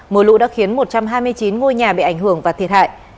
mưa lũ đã khiến một trăm hai mươi chín ngôi nhà bị ảnh hưởng và thiệt hại